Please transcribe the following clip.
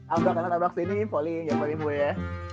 abrakanan abraksin ini pauli jangan maling gue ya